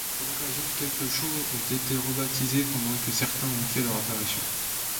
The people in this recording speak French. Pour l'occasion, quelques shows ont été rebaptisés pendant que certains ont fait leur apparition.